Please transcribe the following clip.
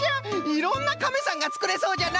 いろんなカメさんがつくれそうじゃな。